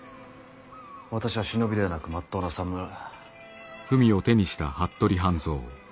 私は忍びではなくまっとうなさむらはあ。